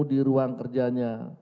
di ruang kerjanya